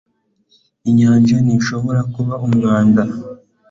inyanja ntishobora kuba umwanda. ”